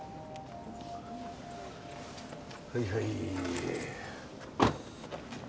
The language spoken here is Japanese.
はいはい。